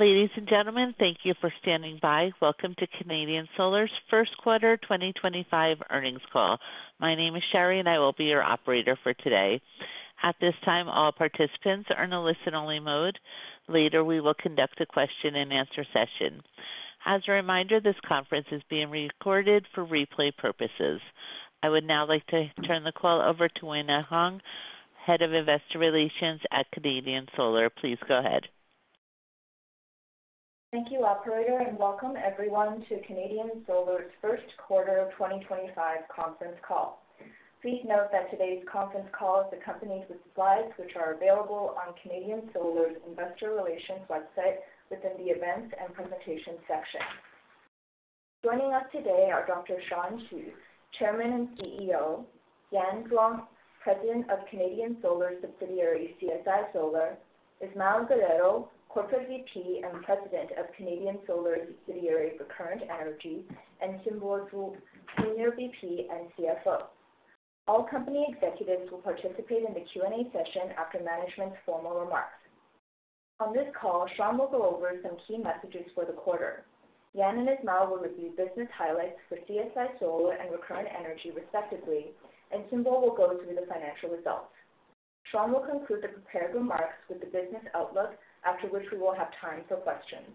Ladies and gentlemen, thank you for standing by. Welcome to Canadian Solar's first quarter 2025 earnings call. My name is Sherry, and I will be your operator for today. At this time, all participants are in a listen-only mode. Later, we will conduct a question-and-answer session. As a reminder, this conference is being recorded for replay purposes. I would now like to turn the call over to Wina Huang, Head of Investor Relations at Canadian Solar. Please go ahead. Thank you, Operator, and welcome everyone to Canadian Solar's first quarter 2025 conference call. Please note that today's conference call is accompanied with slides which are available on Canadian Solar's Investor Relations website within the events and presentation section. Joining us today are Dr. Shawn Qu, Chairman and CEO; Yan Zhuang, President of CSI Solar; Ismael Guerrero, Corporate VP and President of Recurrent Energy; and Xinbo Zhu, Senior VP and CFO. All company executives will participate in the Q&A session after management's formal remarks. On this call, Shawn will go over some key messages for the quarter. Yan and Ismael will review business highlights for CSI Solar and Recurrent Energy, respectively, and Xinbo will go through the financial results. Shawn will conclude the prepared remarks with the business outlook, after which we will have time for questions.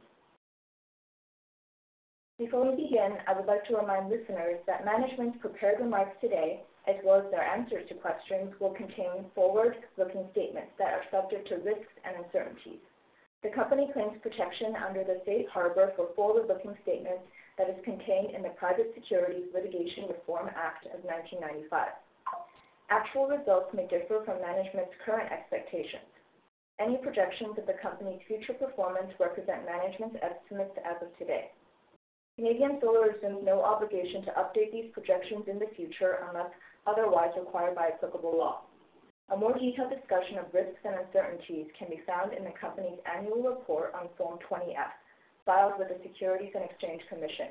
Before we begin, I would like to remind listeners that management's prepared remarks today, as well as their answers to questions, will contain forward-looking statements that are subject to risks and uncertainties. The company claims protection under the Safe Harbor for Forward-Looking Statements that is contained in the Private Securities Litigation Reform Act of 1995. Actual results may differ from management's current expectations. Any projections of the company's future performance represent management's estimates as of today. Canadian Solar assumes no obligation to update these projections in the future unless otherwise required by applicable law. A more detailed discussion of risks and uncertainties can be found in the company's annual report on Form 20-F, filed with the Securities and Exchange Commission.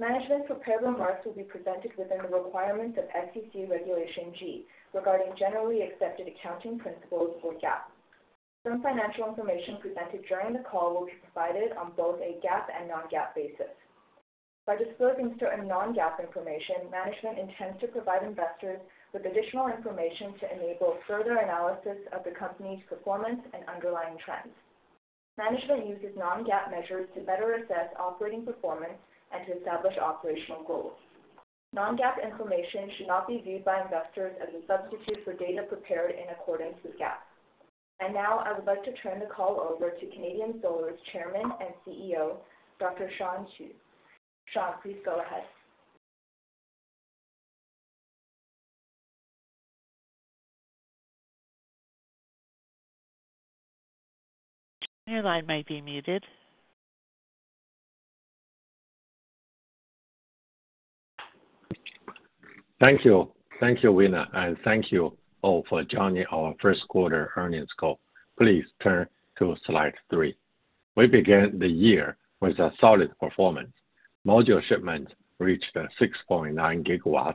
Management's prepared remarks will be presented within the requirements of SEC Regulation G regarding generally accepted accounting principles or GAAP. Some financial information presented during the call will be provided on both a GAAP and non-GAAP basis. By disclosing certain non-GAAP information, management intends to provide investors with additional information to enable further analysis of the company's performance and underlying trends. Management uses non-GAAP measures to better assess operating performance and to establish operational goals. Non-GAAP information should not be viewed by investors as a substitute for data prepared in accordance with GAAP. I would like to turn the call over to Canadian Solar's Chairman and CEO, Dr. Shawn Qu. Shawn, please go ahead. Your line might be muted. Thank you. Thank you, Wina, and thank you all for joining our first quarter earnings call. Please turn to slide three. We began the year with solid performance. Module shipments reached 6.9 GW,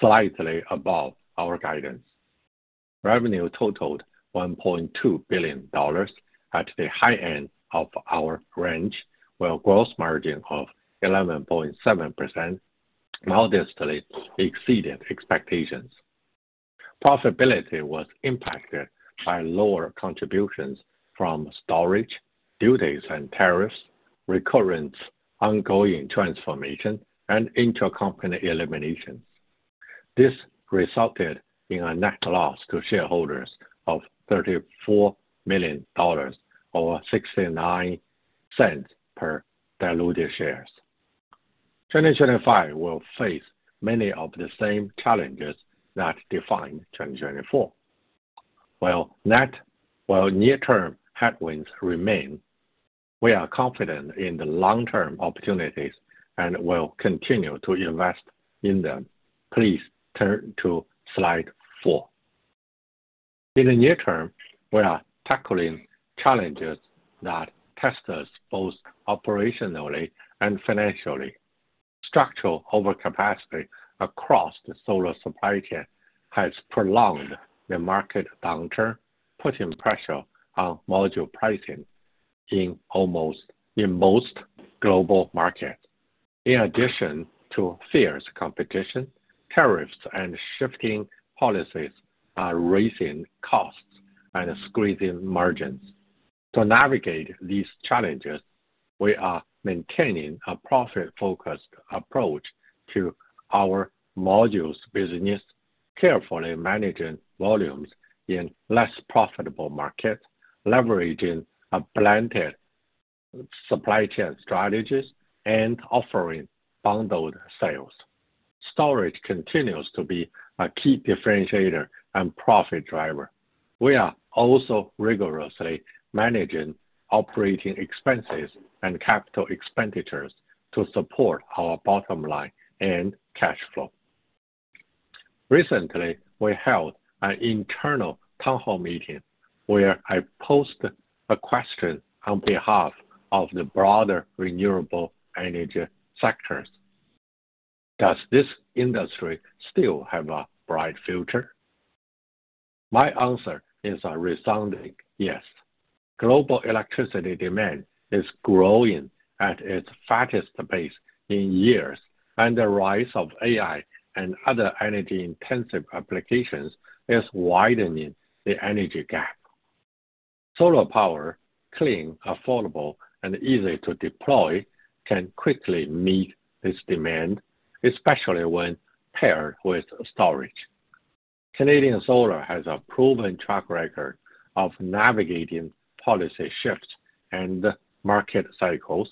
slightly above our guidance. Revenue totaled $1.2 billion at the high end of our range, with a gross margin of 11.7%, modestly exceeding expectations. Profitability was impacted by lower contributions from storage, duties, and tariffs, Recurrent ongoing transformation, and intercompany eliminations. This resulted in a net loss to shareholders of $34 million or $0.69 per diluted share. 2025 will face many of the same challenges that defined 2024. While near-term headwinds remain, we are confident in the long-term opportunities and will continue to invest in them. Please turn to slide four. In the near term, we are tackling challenges that test us both operationally and financially. Structural overcapacity across the solar supply chain has prolonged the market downturn, putting pressure on module pricing in most global markets. In addition to fierce competition, tariffs and shifting policies are raising costs and squeezing margins. To navigate these challenges, we are maintaining a profit-focused approach to our modules business, carefully managing volumes in less profitable markets, leveraging a blended supply chain strategy, and offering bundled sales. Storage continues to be a key differentiator and profit driver. We are also rigorously managing operating expenses and capital expenditures to support our bottom line and cash flow. Recently, we held an internal town hall meeting where I posed a question on behalf of the broader renewable energy sectors. Does this industry still have a bright future? My answer is a resounding yes. Global electricity demand is growing at its fastest pace in years, and the rise of AI and other energy-intensive applications is widening the energy gap. Solar power, clean, affordable, and easy to deploy, can quickly meet this demand, especially when paired with storage. Canadian Solar has a proven track record of navigating policy shifts and market cycles,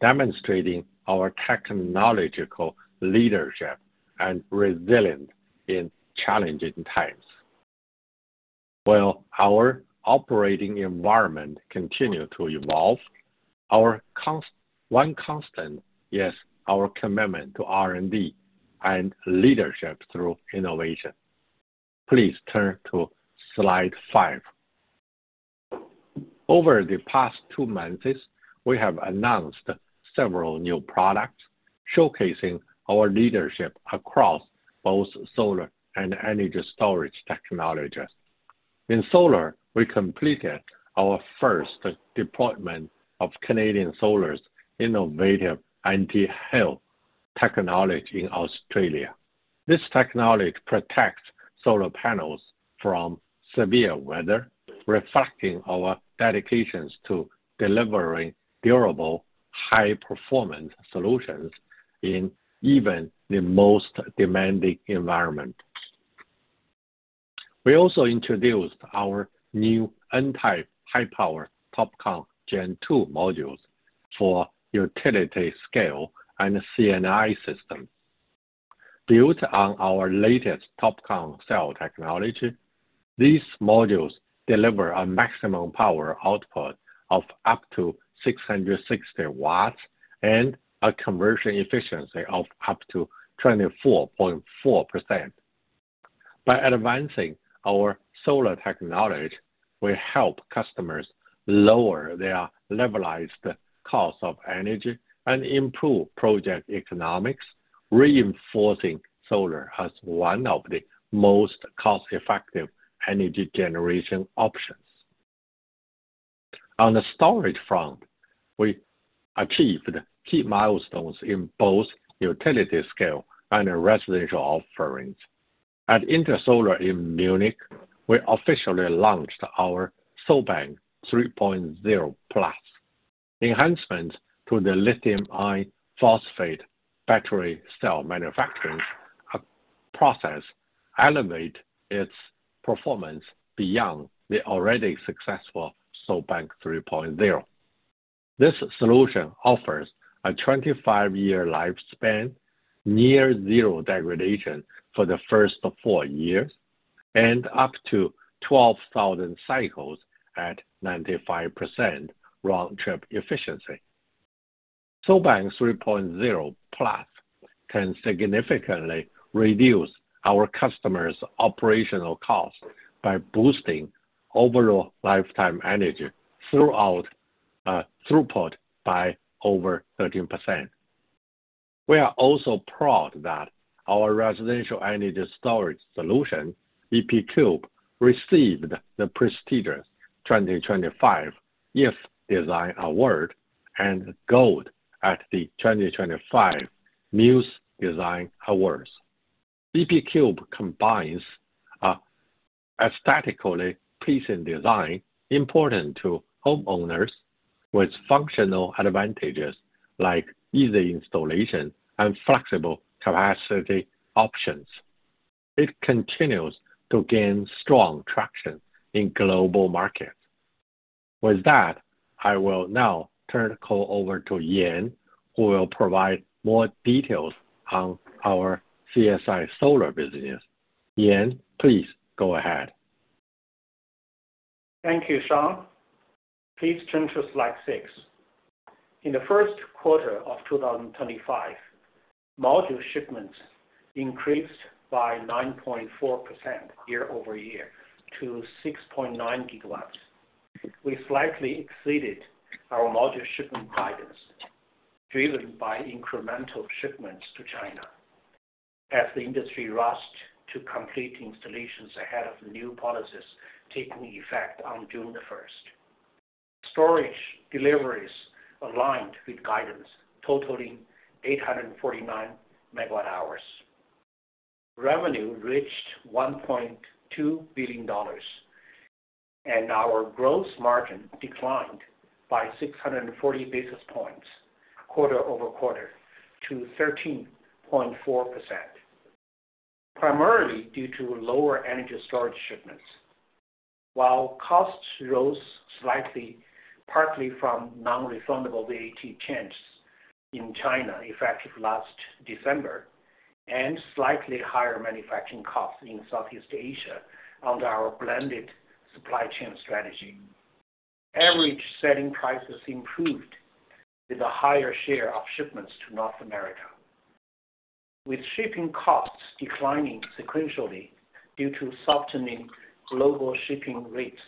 demonstrating our technological leadership and resilience in challenging times. While our operating environment continues to evolve, one constant is our commitment to R&D and leadership through innovation. Please turn to slide five. Over the past two months, we have announced several new products, showcasing our leadership across both solar and energy storage technologies. In solar, we completed our first deployment of Canadian Solar's innovative anti-hail technology in Australia. This technology protects solar panels from severe weather, reflecting our dedication to delivering durable, high-performance solutions in even the most demanding environment. We also introduced our new anti-hail-power TOPCon Gen 2 modules for utility-scale and CNI systems. Built on our latest TOPCon cell technology, these modules deliver a maximum power output of up to 660 watts and a conversion efficiency of up to 24.4%. By advancing our solar technology, we help customers lower their levelized cost of energy and improve project economics, reinforcing solar as one of the most cost-effective energy generation options. On the storage front, we achieved key milestones in both utility-scale and residential offerings. At InterSolar in Munich, we officially launched our SolBank 3.0 Plus, enhancements to the lithium iron phosphate battery cell manufacturing process, elevating its performance beyond the already successful SolBank 3.0. This solution offers a 25-year lifespan, near-zero degradation for the first four years, and up to 12,000 cycles at 95% round-trip efficiency. SolBank 3.0 Plus can significantly reduce our customers' operational costs by boosting overall lifetime energy throughput by over 13%. We are also proud that our residential energy storage solution, EPQUB, received the prestigious 2025 IFF Design Award and gold at the 2025 Muse Design Awards. EPQUB combines aesthetically pleasing design important to homeowners with functional advantages like easy installation and flexible capacity options. It continues to gain strong traction in global markets. With that, I will now turn the call over to Yan, who will provide more details on our CSI Solar business. Yan, please go ahead. Thank you, Shawn. Please turn to slide six. In the first quarter of 2025, module shipments increased by 9.4% year over year to 6.9 GW. We slightly exceeded our module shipment guidance, driven by incremental shipments to China as the industry rushed to complete installations ahead of new policies taking effect on June 1st. Storage deliveries aligned with guidance, totaling 849 MWh. Revenue reached $1.2 billion, and our gross margin declined by 640 basis points quarter over quarter to 13.4%, primarily due to lower energy storage shipments. While costs rose slightly, partly from non-refundable VAT changes in China effective last December and slightly higher manufacturing costs in Southeast Asia under our blended supply chain strategy, average selling prices improved with a higher share of shipments to North America, with shipping costs declining sequentially due to softening global shipping rates.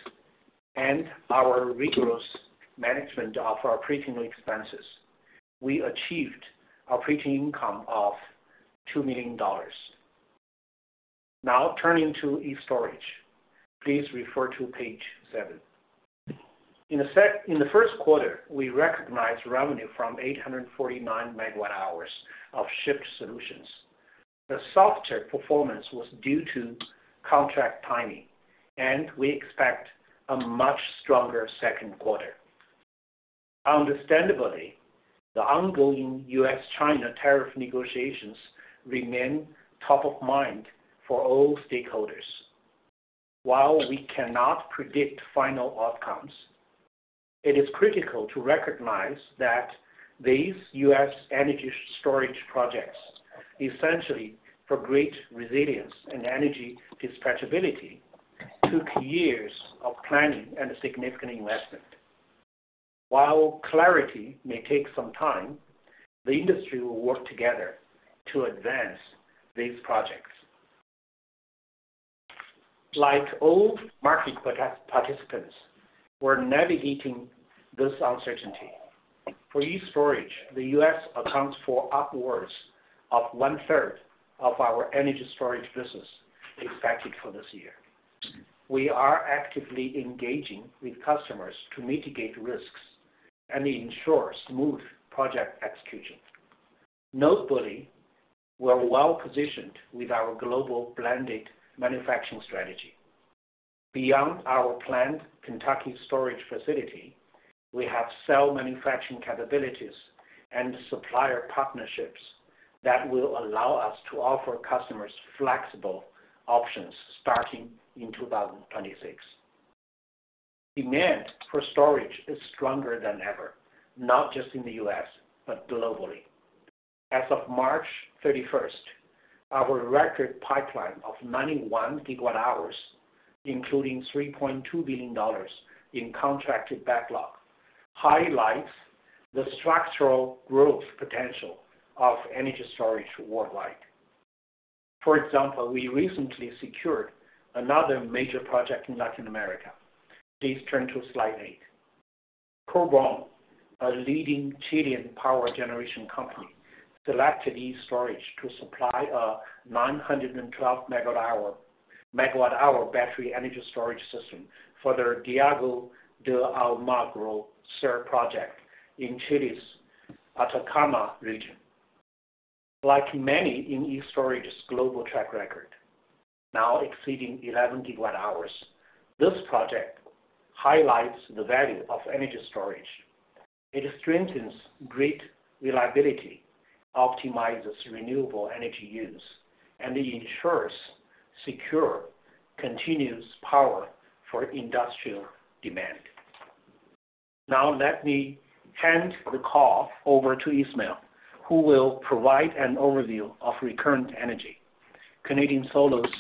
Through our rigorous management of operating expenses, we achieved operating income of $2 million. Now, turning to e-STORAGE, please refer to page seven. In the first quarter, we recognized revenue from 849 megawatt-hours of shipped solutions. The softer performance was due to contract timing, and we expect a much stronger second quarter. Understandably, the ongoing U.S.-China tariff negotiations remain top of mind for all stakeholders. While we cannot predict final outcomes, it is critical to recognize that these U.S. energy storage projects, essentially for grid resilience and energy dispatchability, took years of planning and significant investment. While clarity may take some time, the industry will work together to advance these projects. Like all market participants, we are navigating this uncertainty. For e-STORAGE, the U.S. accounts for upwards of one-third of our energy storage business expected for this year. We are actively engaging with customers to mitigate risks and ensure smooth project execution. Notably, we're well-positioned with our global blended manufacturing strategy. Beyond our planned Kentucky storage facility, we have cell manufacturing capabilities and supplier partnerships that will allow us to offer customers flexible options starting in 2026. Demand for storage is stronger than ever, not just in the U.S., but globally. As of March 31, our record pipeline of 91 GWh, including $3.2 billion in contracted backlog, highlights the structural growth potential of energy storage worldwide. For example, we recently secured another major project in Latin America. Please turn to slide eight. Qubrong, a leading Chilean power generation company, selected e-STORAGE to supply a 912 megawatt-hour battery energy storage system for their Diego de Almagro CER project in Chile's Atacama region. Like many in e-STORAGE's global track record, now exceeding 11 GWh, this project highlights the value of energy storage. It strengthens grid reliability, optimizes renewable energy use, and ensures secure continuous power for industrial demand. Now, let me hand the call over to Ismael, who will provide an overview of Recurrent Energy, Canadian Solar's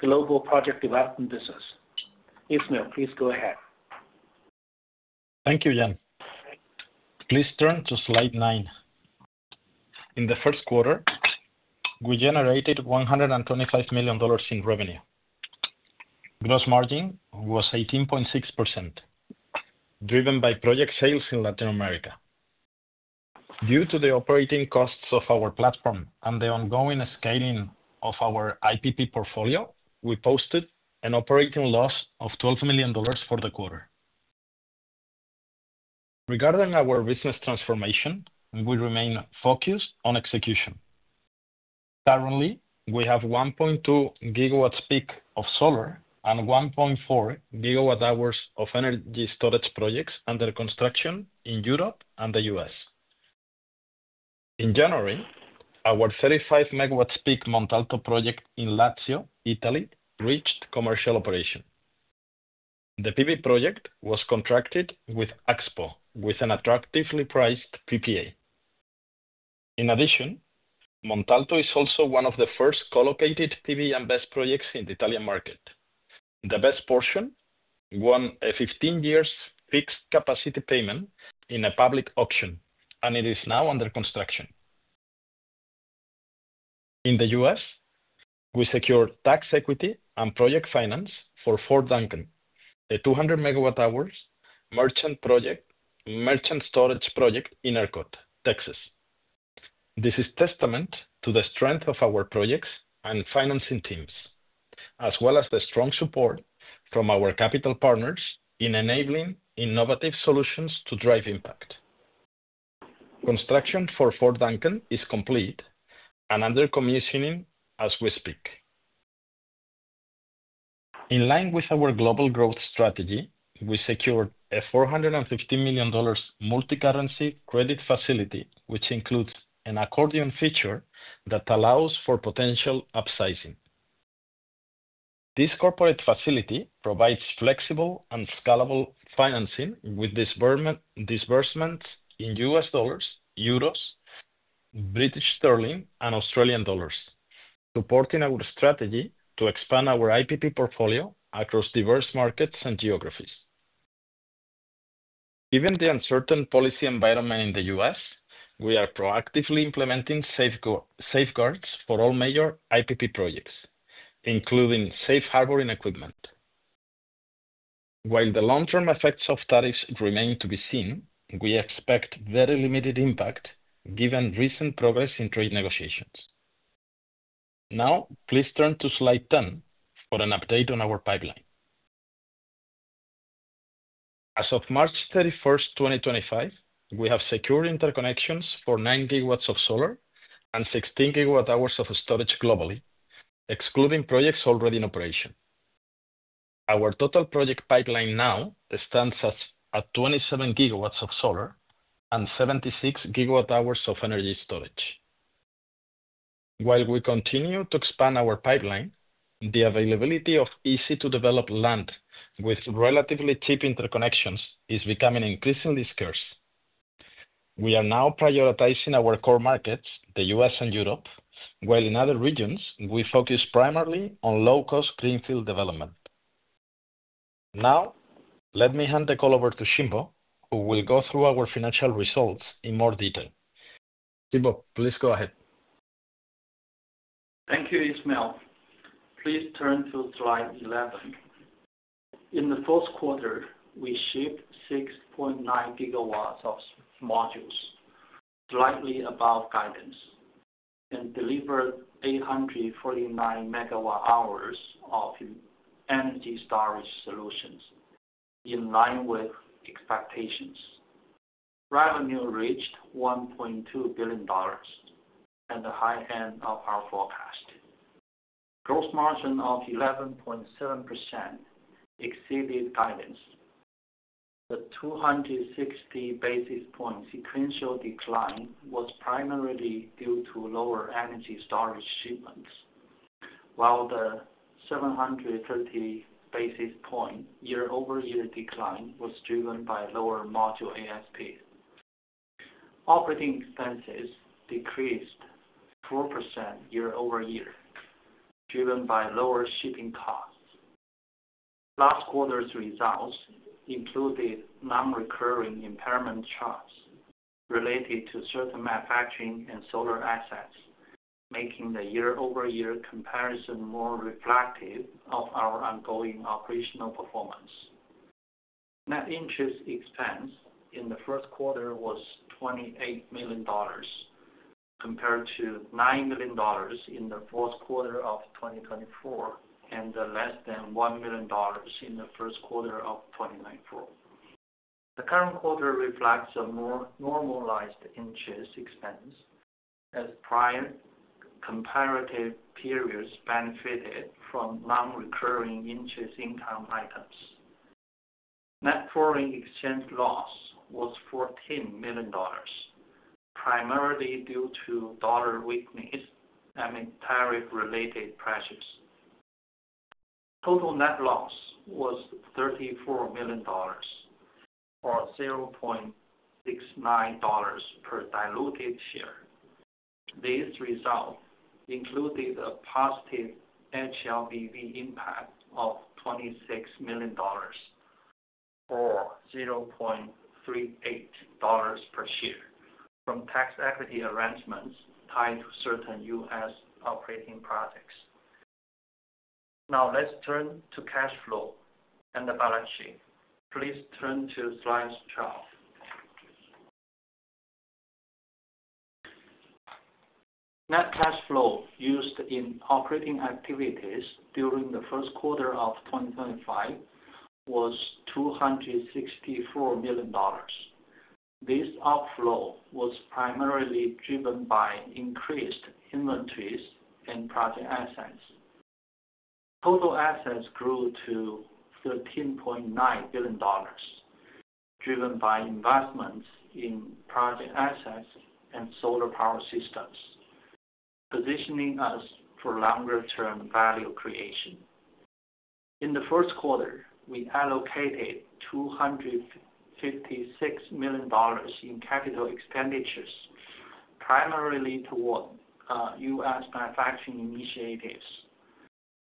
global project development business. Ismael, please go ahead. Thank you, Yan. Please turn to slide nine. In the first quarter, we generated $125 million in revenue. Gross margin was 18.6%, driven by project sales in Latin America. Due to the operating costs of our platform and the ongoing scaling of our IPP portfolio, we posted an operating loss of $12 million for the quarter. Regarding our business transformation, we remain focused on execution. Currently, we have 1.2 GW peak of solar and 1.4 GWh of energy storage projects under construction in Europe and the U.S. In January, our 35 megawatts peak Montalto project in Lazio, Italy, reached commercial operation. The PV project was contracted with AXPO with an attractively priced PPA. In addition, Montalto is also one of the first co-located PV and BESS projects in the Italian market. The BESS portion won a 15-year fixed capacity payment in a public auction, and it is now under construction. In the U.S., we secured tax equity and project finance for Ford Duncan, a 200 megawatt-hours merchant storage project in Earp, Texas. This is a testament to the strength of our projects and financing teams, as well as the strong support from our capital partners in enabling innovative solutions to drive impact. Construction for Ford Duncan is complete and under commissioning as we speak. In line with our global growth strategy, we secured a $450 million multi-currency credit facility, which includes an accordion feature that allows for potential upsizing. This corporate facility provides flexible and scalable financing with disbursements in USD, EUR, GBP, and AUD, supporting our strategy to expand our IPP portfolio across diverse markets and geographies. Given the uncertain policy environment in the U.S., we are proactively implementing safeguards for all major IPP projects, including safe harboring equipment. While the long-term effects of studies remain to be seen, we expect very limited impact given recent progress in trade negotiations. Now, please turn to slide 10 for an update on our pipeline. As of March 31, 2025, we have secured interconnections for 9 GW of solar and 16 GWh of storage globally, excluding projects already in operation. Our total project pipeline now stands at 27 GW of solar and 76 GWh of energy storage. While we continue to expand our pipeline, the availability of easy-to-develop land with relatively cheap interconnections is becoming increasingly scarce. We are now prioritizing our core markets, the U.S. and Europe, while in other regions, we focus primarily on low-cost greenfield development. Now, let me hand the call over to Xinbo, who will go through our financial results in more detail. Xinbo, please go ahead. Thank you, Ismael. Please turn to slide 11. In the first quarter, we shipped 6.9 GW of modules, slightly above guidance, and delivered 849 megawatt-hours of energy storage solutions in line with expectations. Revenue reached $1.2 billion at the high end of our forecast. Gross margin of 11.7% exceeded guidance. The 260 basis point sequential decline was primarily due to lower energy storage shipments, while the 730 basis point year-over-year decline was driven by lower module ASP. Operating expenses decreased 4% year-over-year, driven by lower shipping costs. Last quarter's results included non-recurring impairment charges related to certain manufacturing and solar assets, making the year-over-year comparison more reflective of our ongoing operational performance. Net interest expense in the first quarter was $28 million, compared to $9 million in the fourth quarter of 2023 and less than $1 million in the first quarter of 2023. The current quarter reflects a more normalized interest expense, as prior comparative periods benefited from non-recurring interest income items. Net foreign exchange loss was $14 million, primarily due to dollar weakness and tariff-related pressures. Total net loss was $34 million or $0.69 per diluted share. These results included a positive HLBV impact of $26 million or $0.38 per share from tax equity arrangements tied to certain US operating projects. Now, let's turn to cash flow and the balance sheet. Please turn to slide 12. Net cash flow used in operating activities during the first quarter of 2025 was $264 million. This outflow was primarily driven by increased inventories and project assets. Total assets grew to $13.9 billion, driven by investments in project assets and solar power systems, positioning us for longer-term value creation. In the first quarter, we allocated $256 million in capital expenditures, primarily toward US manufacturing initiatives.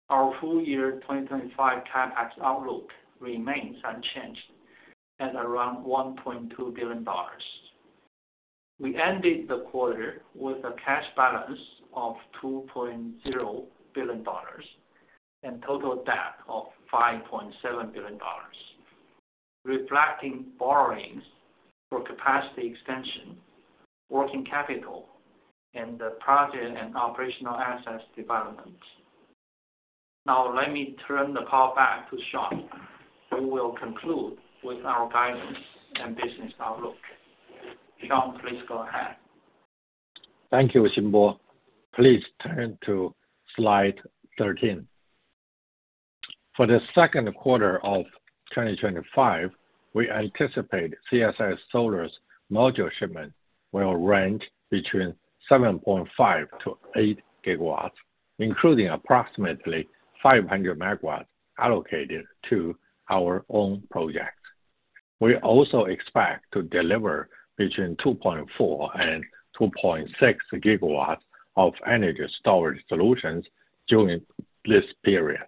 Our full-year 2025 CapEx outlook remains unchanged at around $1.2 billion. We ended the quarter with a cash balance of $2.0 billion and total debt of $5.7 billion, reflecting borrowings for capacity extension, working capital, and the project and operational assets development. Now, let me turn the call back to Shawn, who will conclude with our guidance and business outlook. Shawn, please go ahead. Thank you, Xinbo. Please turn to slide 13. For the second quarter of 2025, we anticipate CSI Solar's module shipment will range between 7.5-8 GW, including approximately 500 megawatts allocated to our own projects. We also expect to deliver between 2.4-2.6 GW of energy storage solutions during this period.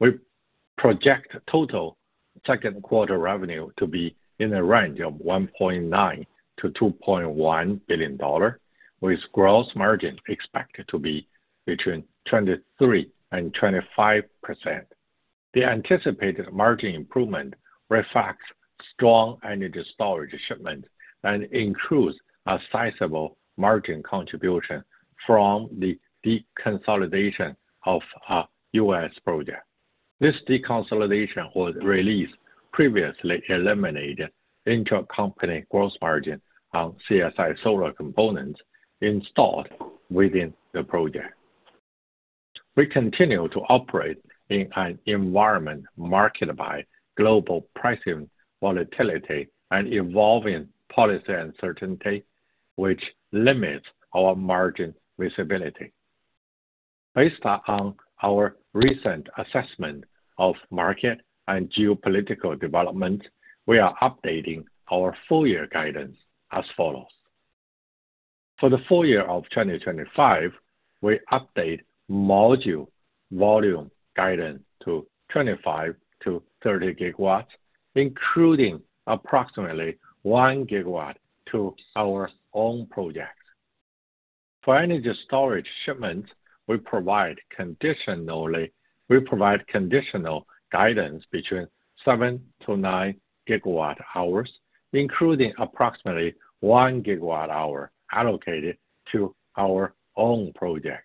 We project total second quarter revenue to be in the range of $1.9-$2.1 billion, with gross margin expected to be between 23%-25%. The anticipated margin improvement reflects strong energy storage shipment and includes a sizable margin contribution from the deconsolidation of U.S. projects. This deconsolidation would release previously eliminated intercompany gross margin on CSI Solar components installed within the project. We continue to operate in an environment marked by global pricing volatility and evolving policy uncertainty, which limits our margin visibility. Based on our recent assessment of market and geopolitical developments, we are updating our full-year guidance as follows. For the full year of 2025, we update module volume guidance to 25-30 GW, including approximately 1 gigawatt to our own projects. For energy storage shipments, we provide conditional guidance between 7-9 GWhs, including approximately 1 GWh allocated to our own projects.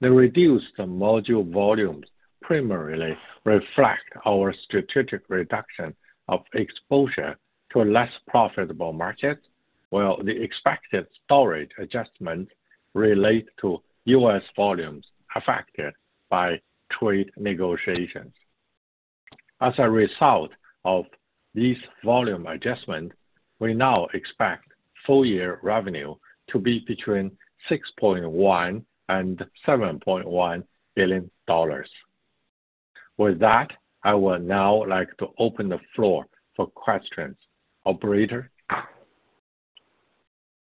The reduced module volumes primarily reflect our strategic reduction of exposure to less profitable markets, while the expected storage adjustment relates to U.S. volumes affected by trade negotiations. As a result of these volume adjustments, we now expect full-year revenue to be between $6.1 billion-$7.1 billion. With that, I would now like to open the floor for questions.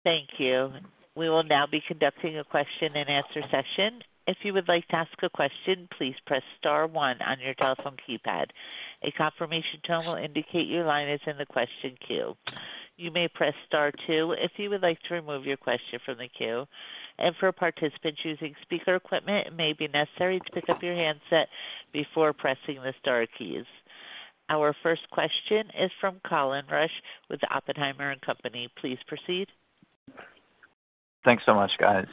Operator. Thank you. We will now be conducting a question-and-answer session. If you would like to ask a question, please press star one on your telephone keypad. A confirmation tone will indicate your line is in the question queue. You may press star two if you would like to remove your question from the queue. For participants using speaker equipment, it may be necessary to pick up your handset before pressing the star keys. Our first question is from Colin Rusch with Oppenheimer & Company. Please proceed. Thanks so much, guys.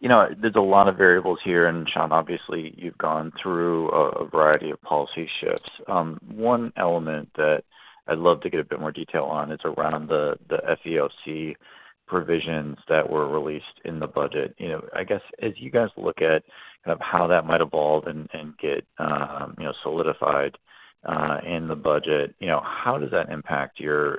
You know, there's a lot of variables here. And Shawn, obviously, you've gone through a variety of policy shifts. One element that I'd love to get a bit more detail on is around the FEOC provisions that were released in the budget. You know, I guess, as you guys look at kind of how that might evolve and get, you know, solidified in the budget, you know, how does that impact your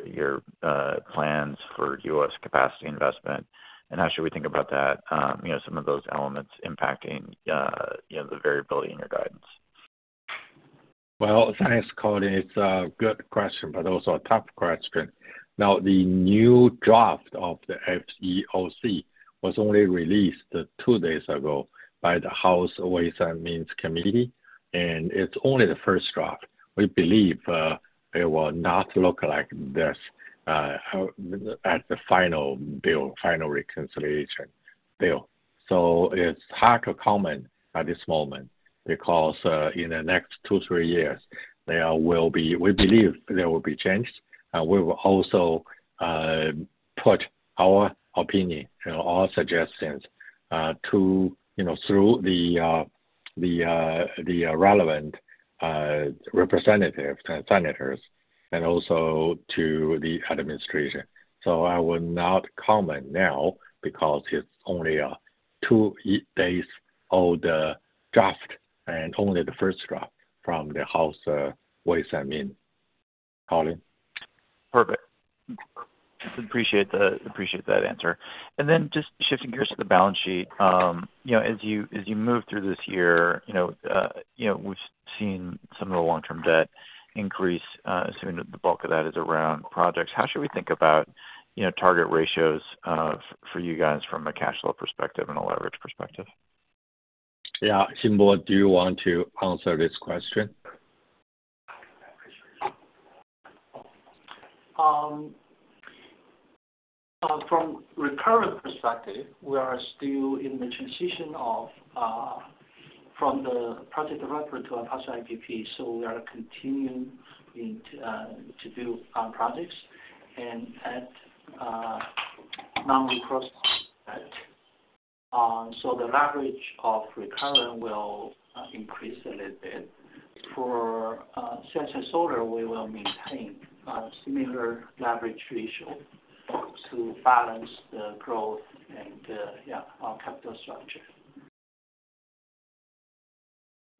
plans for US capacity investment? And how should we think about that? You know, some of those elements impacting, you know, the variability in your guidance. Thanks, Colin. It's a good question, but also a tough question. Now, the new draft of the FEOC was only released two days ago by the House Ways and Means Committee, and it's only the first draft. We believe it will not look like this at the final bill, final reconciliation bill. It is hard to comment at this moment because in the next two, three years, we believe there will be changes. We will also put our opinion and our suggestions through the relevant representatives and senators, and also to the administration. I will not comment now because it's only a two days old draft and only the first draft from the House Ways and Means. Colin. Perfect. Appreciate that answer. And then just shifting gears to the balance sheet, you know, as you move through this year, you know, we've seen some of the long-term debt increase, assuming that the bulk of that is around projects. How should we think about, you know, target ratios for you guys from a cash flow perspective and a leverage perspective? Yeah. Xinbo, do you want to answer this question? From a Recurrent perspective, we are still in the transition from the project director to a partial IPP. We are continuing to do projects and at non-recourse debt. The leverage of Recurrent will increase a little bit. For CSI Solar, we will maintain a similar leverage ratio to balance the growth and, yeah, our capital structure.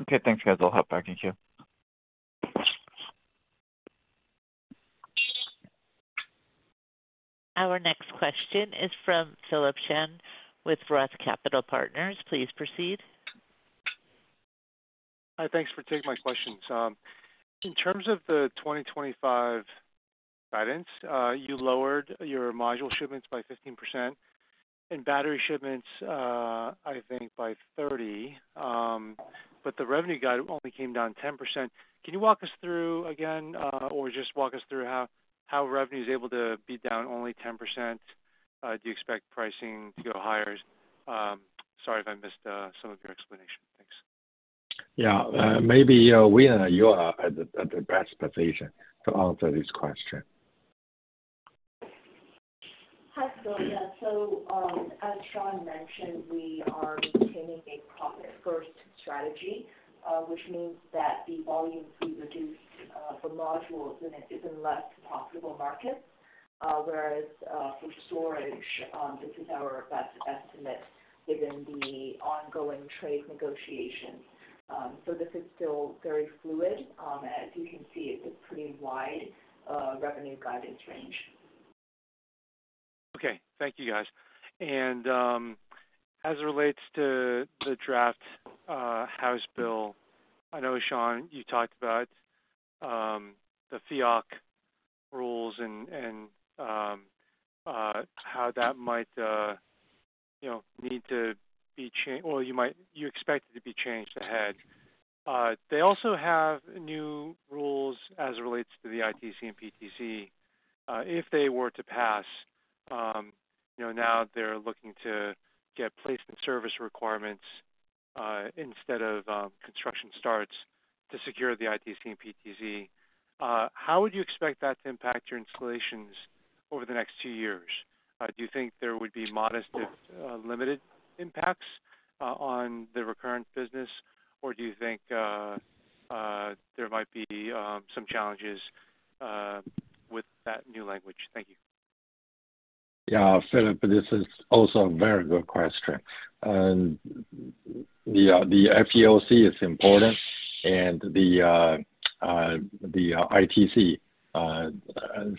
Okay. Thanks, guys. I'll hop back in here. Our next question is from Philip Chen with Roth Capital Partners. Please proceed. Hi. Thanks for taking my questions. In terms of the 2025 guidance, you lowered your module shipments by 15% and battery shipments, I think, by 30%. But the revenue guide only came down 10%. Can you walk us through again, or just walk us through how revenue is able to be down only 10%? Do you expect pricing to go higher? Sorry if I missed some of your explanation. Thanks. Yeah. Maybe Wina, you are at the best position to answer this question. Hi, Phil. Yeah. As Shawn mentioned, we are maintaining a profit-first strategy, which means that the volume we reduced for modules is in less profitable markets, whereas for storage, this is our best estimate given the ongoing trade negotiations. This is still very fluid. As you can see, it is a pretty wide revenue guidance range. Okay. Thank you, guys. As it relates to the draft House bill, I know, Shawn, you talked about the FEOC rules and how that might need to be changed, or you expect it to be changed ahead. They also have new rules as it relates to the ITC and PTC. If they were to pass, you know, now they're looking to get placement service requirements instead of construction starts to secure the ITC and PTC. How would you expect that to impact your installations over the next two years? Do you think there would be modest to limited impacts on the recurrent business, or do you think there might be some challenges with that new language? Thank you. Yeah. Philip, this is also a very good question. The FEOC is important, and the ITC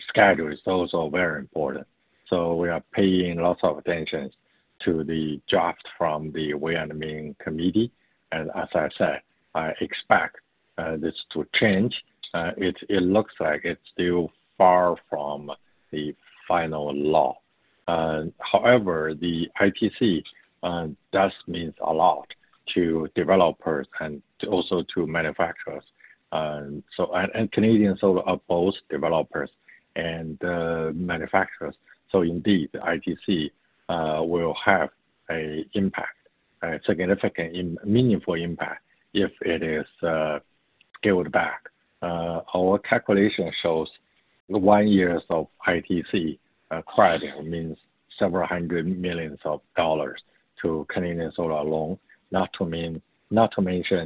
schedule is also very important. We are paying lots of attention to the draft from the Wina Huang and Ming Committee. As I said, I expect this to change. It looks like it is still far from the final law. However, the ITC does mean a lot to developers and also to manufacturers. Canadian Solar are both developers and manufacturers. Indeed, the ITC will have a significant meaningful impact if it is scaled back. Our calculation shows one year of ITC credit means several hundred million dollars to Canadian Solar alone, not to mention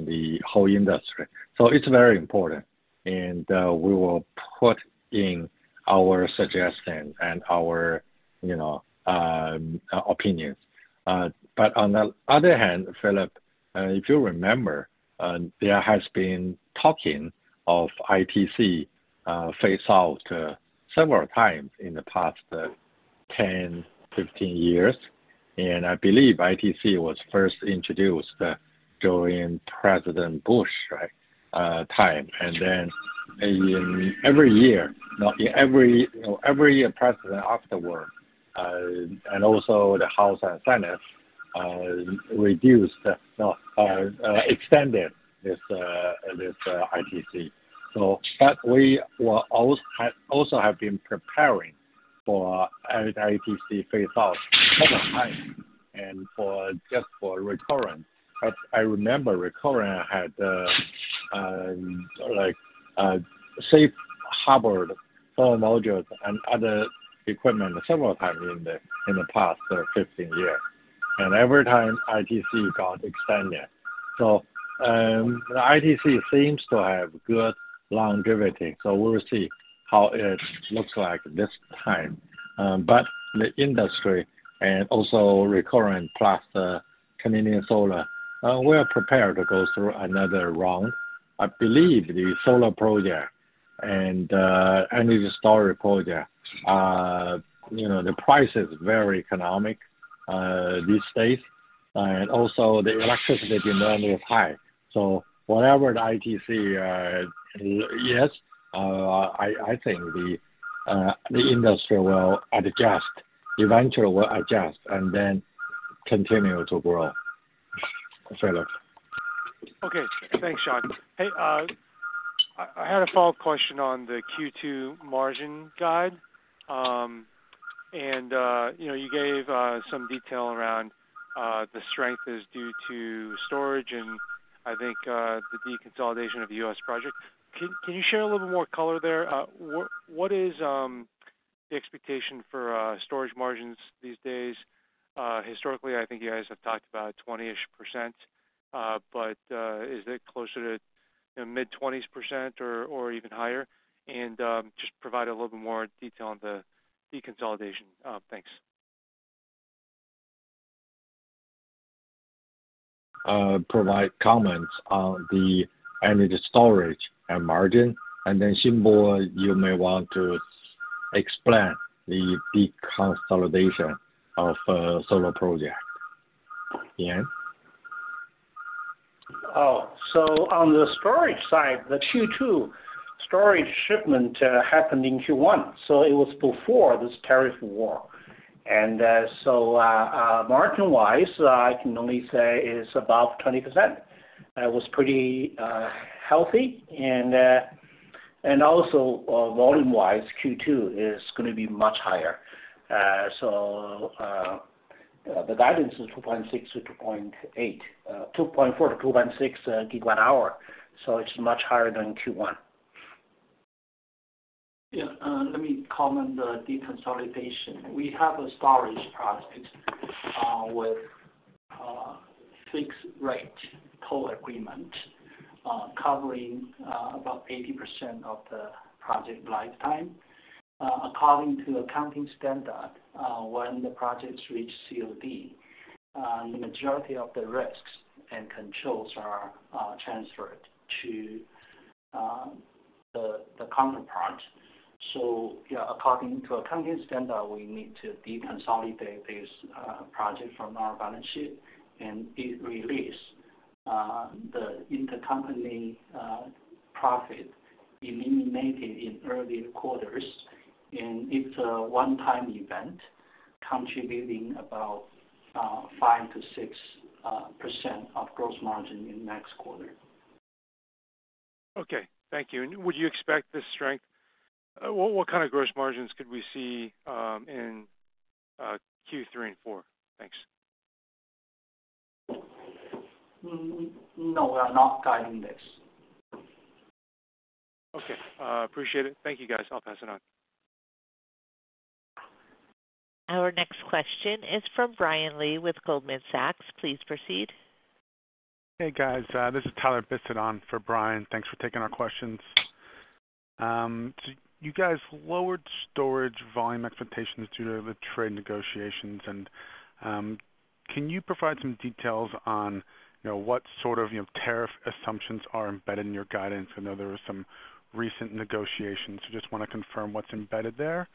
the whole industry. It is very important. We will put in our suggestions and our opinions. On the other hand, Philip, if you remember, there has been talk of ITC phased out several times in the past 10-15 years. I believe ITC was first introduced during President Bush's time. Every year, every year president afterward, and also the House and Senate, reduced, extended this ITC. We also have been preparing for ITC phased out several times and just for Recurrent. I remember Recurrent had safe harbored solar modules and other equipment several times in the past 15 years. Every time ITC got extended. The ITC seems to have good longevity. We'll see how it looks like this time. The industry and also Recurrent plus Canadian Solar, we are prepared to go through another round. I believe the solar project and energy storage project, you know, the price is very economic these days. Also the electricity demand is high. Whatever the ITC is, I think the industry will adjust, eventually will adjust, and then continue to grow. Philip. Okay. Thanks, Shawn. Hey, I had a follow-up question on the Q2 margin guide. You gave some detail around the strength is due to storage and I think the deconsolidation of the US project. Can you share a little bit more color there? What is the expectation for storage margins these days? Historically, I think you guys have talked about 20% ish, but is it closer to mid-20% or even higher? Just provide a little bit more detail on the deconsolidation. Thanks. Provide comments on the energy storage and margin. Then, Xinbo, you may want to explain the deconsolidation of solar project. Yan? Oh. On the storage side, the Q2 storage shipment happened in Q1. It was before this tariff war. Margin-wise, I can only say it's above 20%. It was pretty healthy. Also, volume-wise, Q2 is going to be much higher. The guidance is 2.6-2.8, 2.4-2.6 GWh. It's much higher than Q1. Yeah. Let me comment on the deconsolidation. We have a storage project with fixed-rate toll agreement covering about 80% of the project lifetime. According to accounting standard, when the projects reach COD, the majority of the risks and controls are transferred to the counterpart. According to accounting standard, we need to deconsolidate this project from our balance sheet and release the intercompany profit eliminated in earlier quarters. It's a one-time event, contributing about 5-6% of gross margin in the next quarter. Okay. Thank you. Would you expect this strength? What kind of gross margins could we see in Q3 and Q4? Thanks. No, we are not guiding this. Okay. Appreciate it. Thank you, guys. I'll pass it on. Our next question is from Brian Lee with Goldman Sachs. Please proceed. Hey, guys. This is Tyler Bisset in for Brian. Thanks for taking our questions. You guys lowered storage volume expectations due to the trade negotiations. Can you provide some details on what sort of tariff assumptions are embedded in your guidance? I know there were some recent negotiations. I just want to confirm what's embedded there.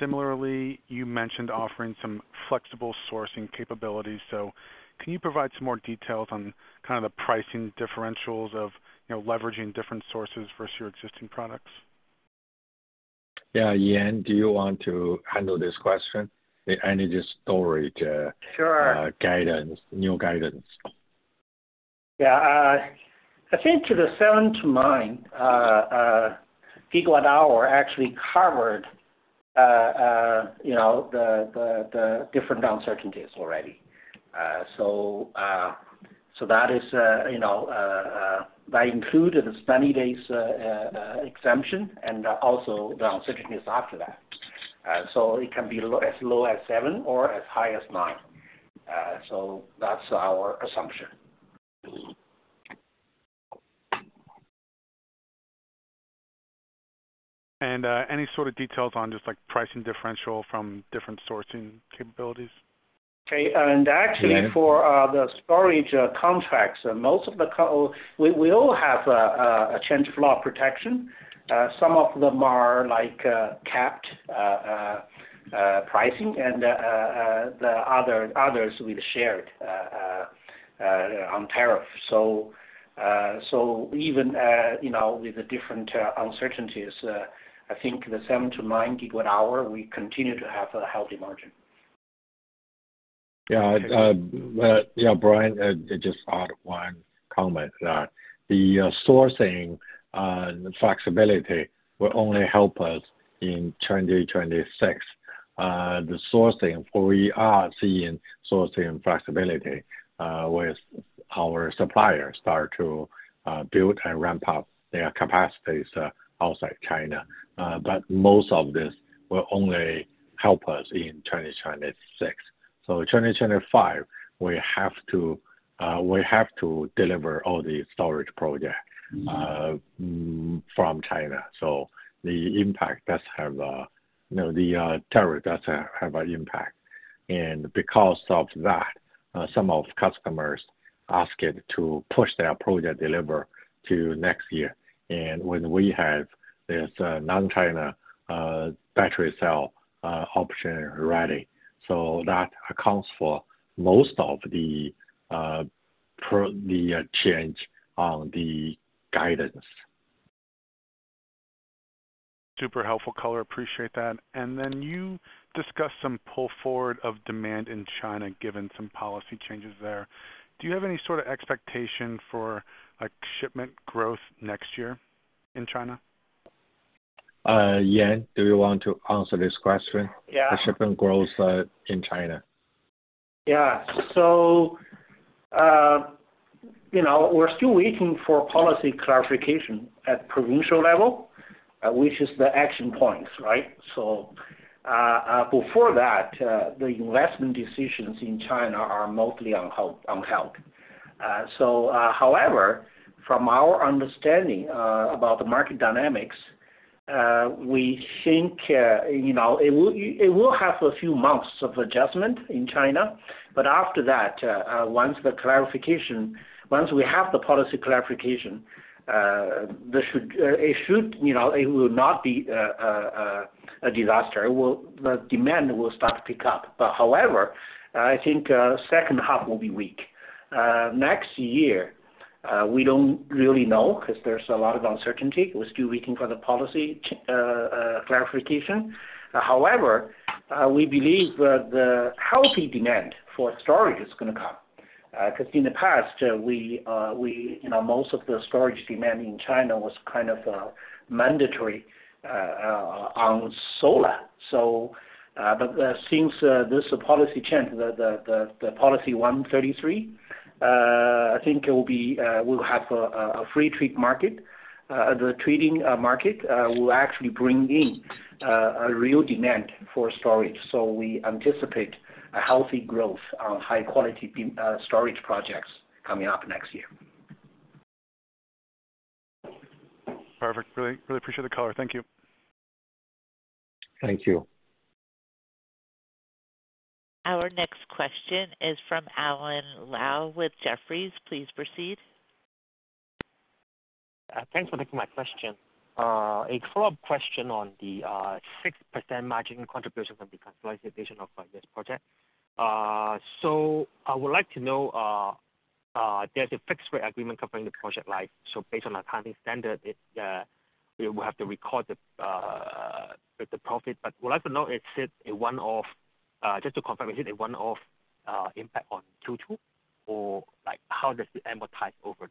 Similarly, you mentioned offering some flexible sourcing capabilities. Can you provide some more details on the pricing differentials of leveraging different sources versus your existing products? Yeah. Yan, do you want to handle this question? Energy storage guidance, new guidance. Yeah. I think to the 7-9 GWh actually covered the different uncertainties already. That included the 70 days exemption and also the uncertainties after that. It can be as low as 7 or as high as 9. That is our assumption. Any sort of details on just pricing differential from different sourcing capabilities? Okay. Actually, for the storage contracts, most of the we all have a change of law protection. Some of them are capped pricing, and the others we shared on tariff. Even with the different uncertainties, I think the 7-9 GWh, we continue to have a healthy margin. Yeah. Yeah, Brian, just add one comment. The sourcing flexibility will only help us in 2026. The sourcing, we are seeing sourcing flexibility with our suppliers start to build and ramp up their capacities outside China. Most of this will only help us in 2026. For 2025, we have to deliver all the storage projects from China. The impact does have, the tariff does have an impact. Because of that, some of customers asked to push their project deliver to next year. When we have this non-China battery cell option ready, that accounts for most of the change on the guidance. Super helpful, Color. Appreciate that. You discussed some pull forward of demand in China given some policy changes there. Do you have any sort of expectation for shipment growth next year in China? Yan, do you want to answer this question? Yeah. The shipment growth in China. Yeah. We are still waiting for policy clarification at the provincial level, which is the action points, right? Before that, the investment decisions in China are mostly on hold. However, from our understanding about the market dynamics, we think it will have a few months of adjustment in China. After that, once we have the policy clarification, it will not be a disaster. The demand will start to pick up. However, I think the second half will be weak. Next year, we do not really know because there is a lot of uncertainty. We are still waiting for the policy clarification. However, we believe the healthy demand for storage is going to come. In the past, most of the storage demand in China was kind of mandatory on solar. Since this policy changed, the policy 133, I think it will have a free trade market. The trading market will actually bring in real demand for storage. We anticipate a healthy growth on high-quality storage projects coming up next year. Perfect. Really appreciate it, Colin. Thank you. Thank you. Our next question is from Alan Lau with Jefferies. Please proceed. Thanks for taking my question. A follow-up question on the 6% margin contribution from the consolidation of this project. I would like to know there's a fixed-rate agreement covering the project life. Based on accounting standard, we will have to record the profit. I would like to know if it's a one-off, just to confirm, is it a one-off impact on Q2? Or how does it amortize over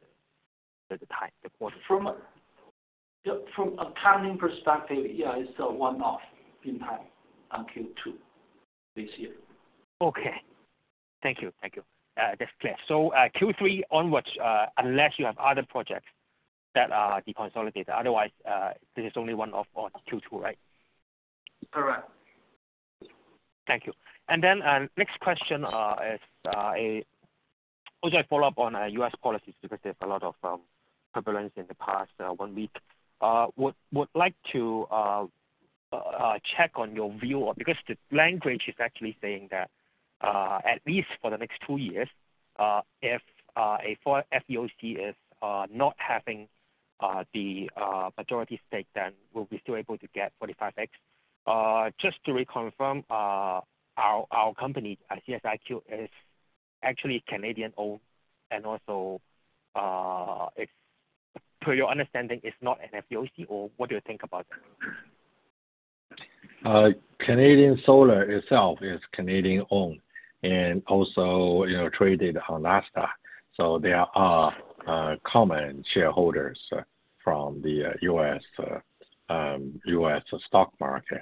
the time? From accounting perspective, yeah, it's a one-off impact on Q2 this year. Okay. Thank you. Thank you. That's clear. Q3 onwards, unless you have other projects that are deconsolidated. Otherwise, this is only one-off on Q2, right? Correct. Thank you. The next question is also a follow-up on US policies because there is a lot of turbulence in the past one week. I would like to check on your view because the language is actually saying that at least for the next two years, if a FEOC is not having the majority stake, then will we still be able to get 45X? Just to reconfirm, our company, CSIQ, is actually Canadian-owned. Also, to your understanding, it is not an FEOC? What do you think about that? Canadian Solar itself is Canadian-owned and also traded on Nasdaq. So they are common shareholders from the US stock market.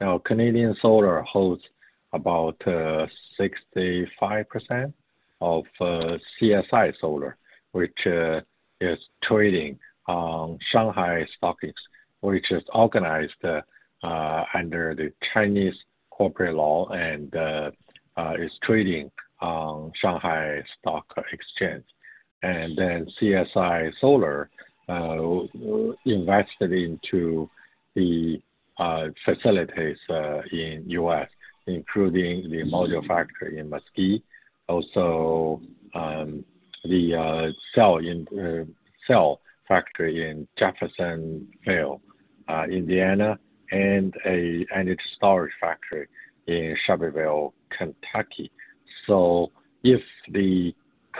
Now, Canadian Solar holds about 65% of CSI Solar, which is trading on Shanghai Stock Exchange, which is organized under the Chinese corporate law and is trading on Shanghai Stock Exchange. And then CSI Solar invested into the facilities in the US, including the module factory in Mesquite, also the cell factory in Jeffersonville, Indiana, and an energy storage factory in Shelbyville, Kentucky. If the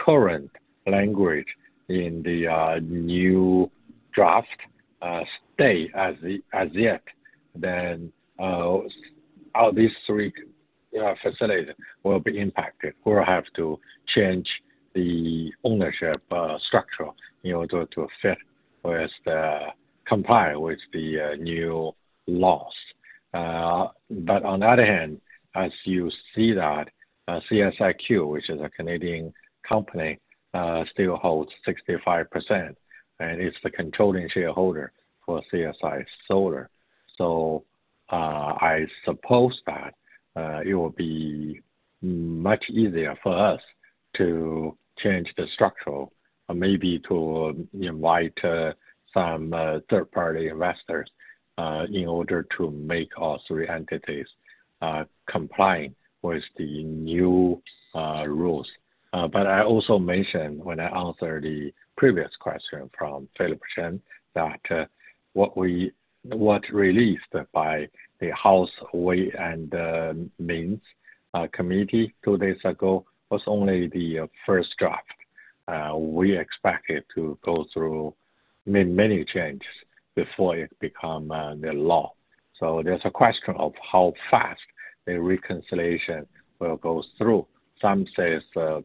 current language in the new draft stays as yet, then these three facilities will be impacted. We'll have to change the ownership structure in order to comply with the new laws. On the other hand, as you see that, CSIQ, which is a Canadian company, still holds 65%. And it's the controlling shareholder for CSI Solar. I suppose that it will be much easier for us to change the structure, maybe to invite some third-party investors in order to make all three entities comply with the new rules. I also mentioned when I answered the previous question from Philip Chen that what was released by the House Ways and Means Committee two days ago was only the first draft. We expect it to go through many changes before it becomes the law. There is a question of how fast the reconciliation will go through. Some say it is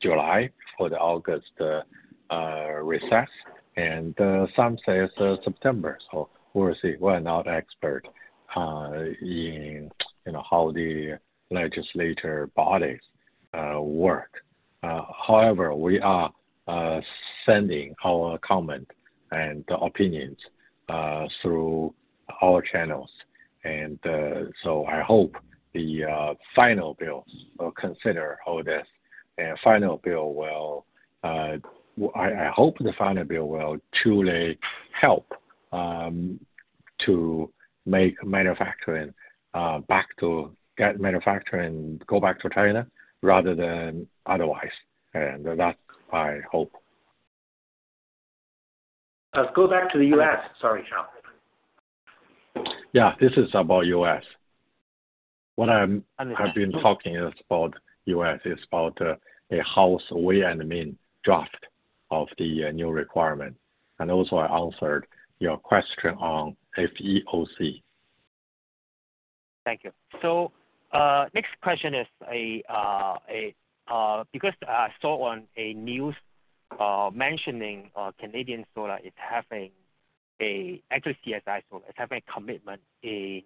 July for the August recess, and some say it is September. We will see. We are not experts in how the legislative bodies work. However, we are sending our comments and opinions through our channels. I hope the final bill will consider all this. I hope the final bill will truly help to make manufacturing go back to China rather than otherwise. And that's my hope. Let's go back to the U.S. Sorry, Shawn. Yeah. This is about U.S. What I've been talking about U.S. is about a House Ways and Means draft of the new requirement. Also, I answered your question on FEOC. Thank you. Next question is because I saw on a news mentioning Canadian Solar is having a, actually, CSI Solar is having a commitment in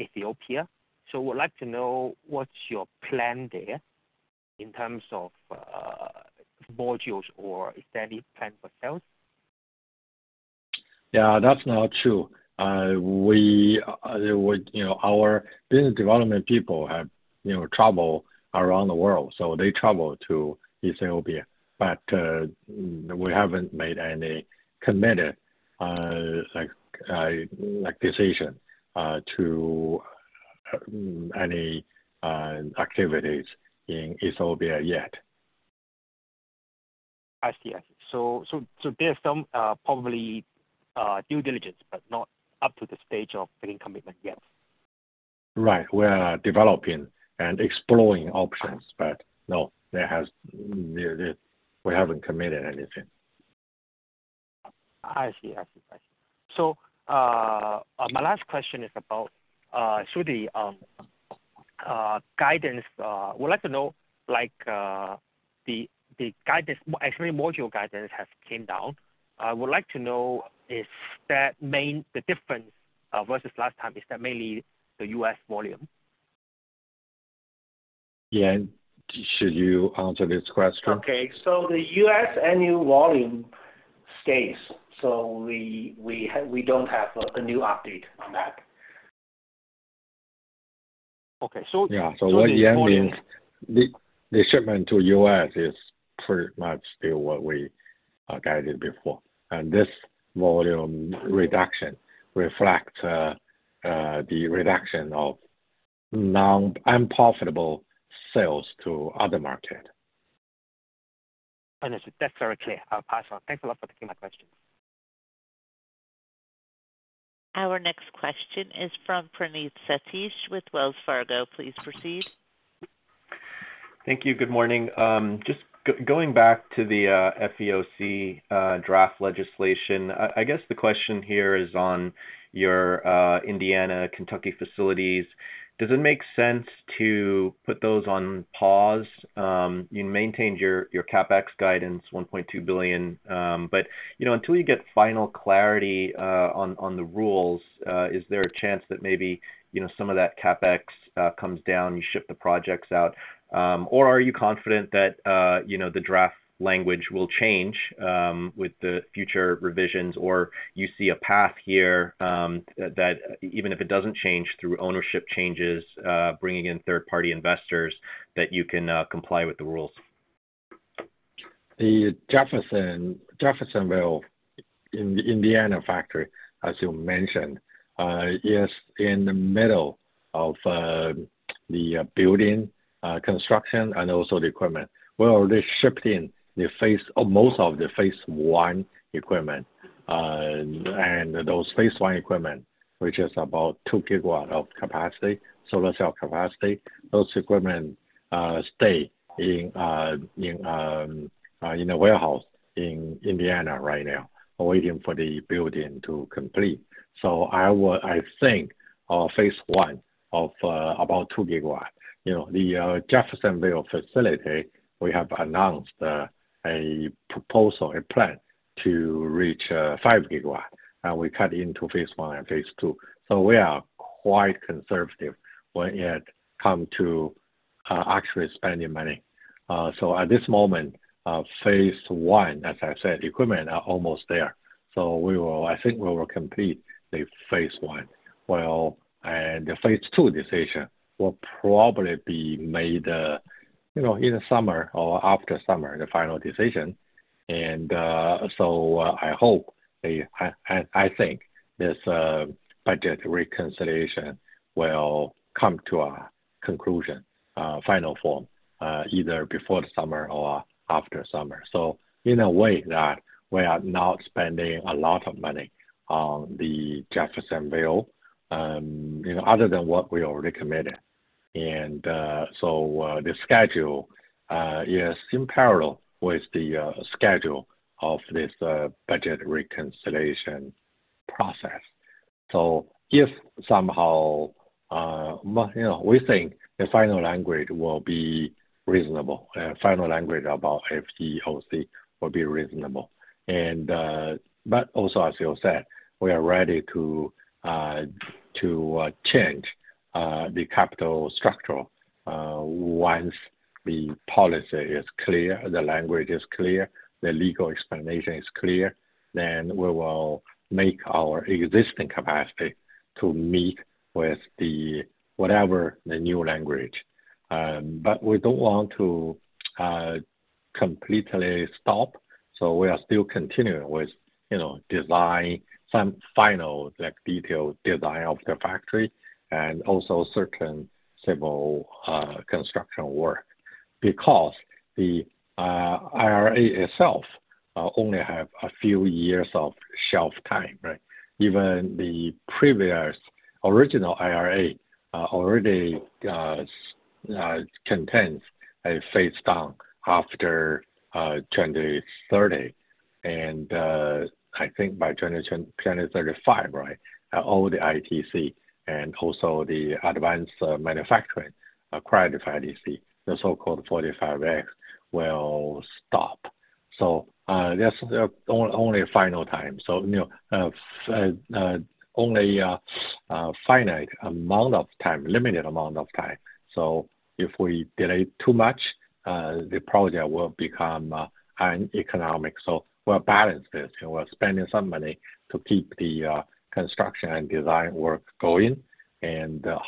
Ethiopia. We'd like to know what's your plan there in terms of modules or standing plan for cells? Yeah. That's not true. Our business development people have traveled around the world. They traveled to Ethiopia. We haven't made any committed decision to any activities in Ethiopia yet. I see. I see. So there's some probably due diligence, but not up to the stage of taking commitment yet. Right. We are developing and exploring options. No, we haven't committed anything. I see. I see. So my last question is about, through the guidance, we'd like to know the guidance, actually, module guidance has come down. We'd like to know if the difference versus last time is that mainly the US volume. Yan. Should you answer this question? Okay. The US annual volume stays. We don't have a new update on that. Okay. So. Yeah. What Yan means, the shipment to US is pretty much still what we guided before. This volume reduction reflects the reduction of non-profitable sales to other markets. Understood. That's very clear. Awesome. Thanks a lot for taking my question. Our next question is from Praneeth Satish with Wells Fargo. Please proceed. Thank you. Good morning. Just going back to the FEOC draft legislation, I guess the question here is on your Indiana, Kentucky facilities. Does it make sense to put those on pause? You maintained your CapEx guidance, $1.2 billion. But until you get final clarity on the rules, is there a chance that maybe some of that CapEx comes down, you ship the projects out? Or are you confident that the draft language will change with the future revisions? Or you see a path here that even if it doesn't change through ownership changes, bringing in third-party investors, that you can comply with the rules? The Jeffersonville, Indiana factory, as you mentioned, is in the middle of the building construction and also the equipment. We're already shifting most of the phase one equipment. Those phase one equipment, which is about 2 GW of capacity, solar cell capacity, stay in a warehouse in Indiana right now, waiting for the building to complete. I think phase one of about 2 GW. The Jeffersonville facility, we have announced a proposal, a plan to reach 5 GW. We cut into phase one and phase two. We are quite conservative when it comes to actually spending money. At this moment, phase one, as I said, equipment are almost there. I think we will complete the phase one. The phase two decision will probably be made in the summer or after summer, the final decision. I hope and I think this budget reconciliation will come to a conclusion, final form, either before the summer or after summer. In a way that we are not spending a lot of money on the Jeffersonville other than what we already committed. The schedule is in parallel with the schedule of this budget reconciliation process. If somehow we think the final language will be reasonable, final language about FEOC will be reasonable. Also, as you said, we are ready to change the capital structure. Once the policy is clear, the language is clear, the legal explanation is clear, then we will make our existing capacity to meet with whatever the new language. We do not want to completely stop. We are still continuing with design, some final detailed design of the factory, and also certain civil construction work. Because the IRA itself only has a few years of shelf time, right? Even the previous original IRA already contains a phase down after 2030. I think by 2035, right, all the ITC and also the advanced manufacturing credit for ITC, the so-called 45X, will stop. That is only a finite amount of time, limited amount of time. If we delay too much, the project will become uneconomic. We will balance this. We are spending some money to keep the construction and design work going.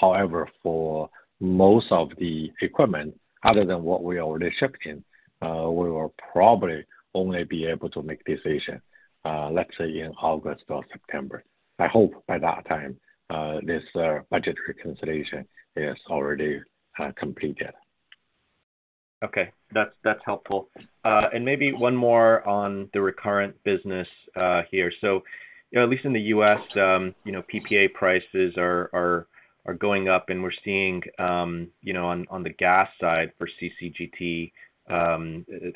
However, for most of the equipment, other than what we are already shipping, we will probably only be able to make a decision, let's say, in August or September. I hope by that time, this budget reconciliation is already completed. Okay. That's helpful. Maybe one more on the Recurrent business here. At least in the U.S., PPA prices are going up. We're seeing on the gas side for CCGT,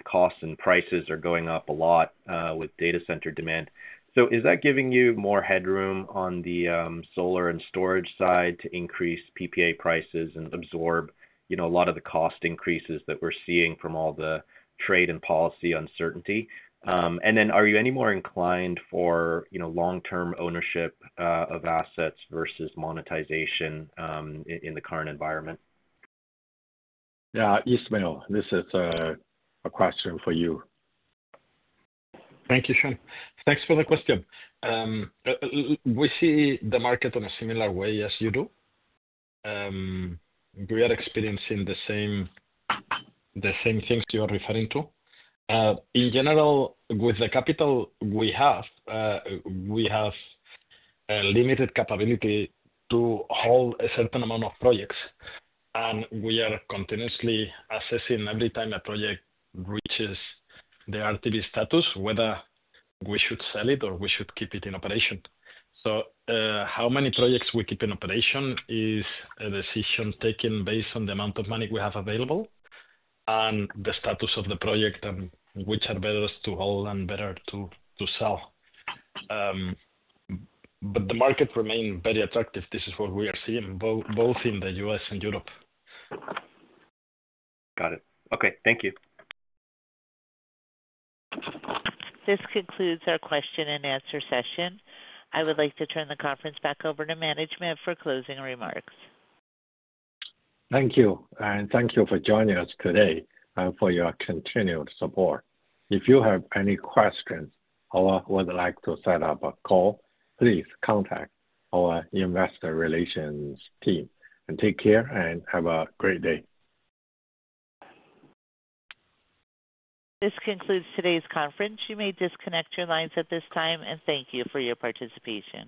costs and prices are going up a lot with data center demand. Is that giving you more headroom on the solar and storage side to increase PPA prices and absorb a lot of the cost increases that we're seeing from all the trade and policy uncertainty? Are you any more inclined for long-term ownership of assets versus monetization in the current environment? Yeah. Ismael, this is a question for you. Thank you, Shawn. Thanks for the question. We see the market in a similar way as you do. We are experiencing the same things you are referring to. In general, with the capital we have, we have limited capability to hold a certain amount of projects. We are continuously assessing every time a project reaches the RTB status, whether we should sell it or we should keep it in operation. How many projects we keep in operation is a decision taken based on the amount of money we have available and the status of the project, which are better to hold and better to sell. The market remains very attractive. This is what we are seeing both in the U.S. and Europe. Got it. Okay. Thank you. This concludes our question and answer session. I would like to turn the conference back over to management for closing remarks. Thank you. Thank you for joining us today and for your continued support. If you have any questions or would like to set up a call, please contact our investor relations team. Take care and have a great day. This concludes today's conference. You may disconnect your lines at this time. Thank you for your participation.